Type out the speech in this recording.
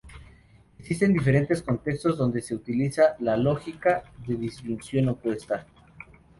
Existen diferentes contextos dónde se utiliza la lógica de disyunción opuesta.